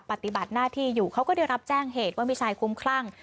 ปฏิบัติหน้าที่อยู่เขาก็ได้รับแจ้งเหตุว่ามีชายคุ้มคลั่ง